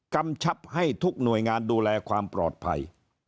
กำชับให้ทุกหน่วยงานดูแลความปลอดภัย